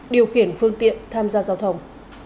điều khiển phương tiện tham gia giao thông